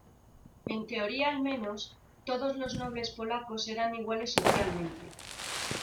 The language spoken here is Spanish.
En teoría al menos, todos los nobles polacos eran iguales socialmente.